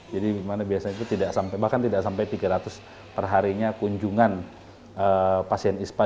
biasanya itu tidak sampai bahkan tidak sampai tiga ratus perharinya kunjungan pasien ispa